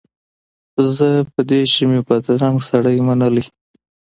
زه په دې چي مي بدرنګ سړی منلی